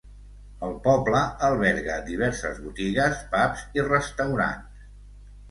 El poble alberga diverses botigues, pubs i restaurants.